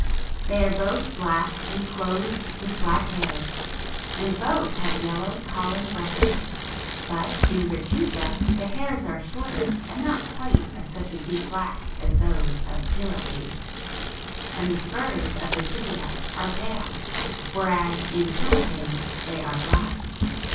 They are both black and clothed with black hairs, and both have yellow pollen brushes, but in retusa the hairs are shorter and not quite of such a deep black as those of pilipes, and the spurs of the tibiæ are pale, whereas in pilipes they are black.